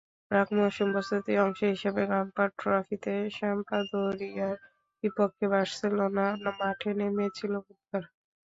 প্রাক-মৌসুম প্রস্তুতির অংশ হিসেবে গাম্পার ট্রফিতে সাম্পাদোরিয়ার বিপক্ষে বার্সেলোনা মাঠে নেমেছিল বুধবার।